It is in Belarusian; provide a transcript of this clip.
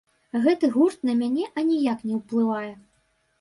Гэты гурт на мяне аніяк не ўплывае.